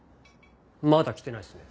まだ来てないですね。